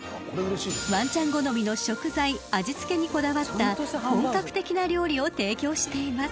［ワンちゃん好みの食材味付けにこだわった本格的な料理を提供しています］